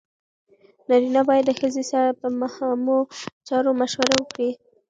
نارینه باید د ښځې سره په مهمو چارو مشوره وکړي.